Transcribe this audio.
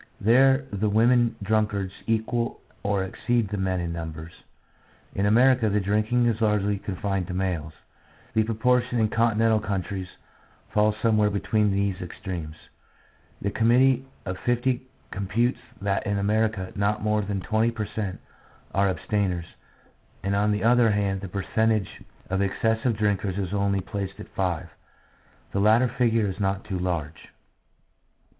There the women drunkards equal or exceed the men in numbers. In America the drinking is largely con fined to males; the proportion in continental countries falls somewhere between these extremes. The Com mittee of Fifty computes that in America not more than 20 per cent, are abstainers, and on the other hand the percentage of excessive drinkers is only placed at 5. The latter figure is not too large.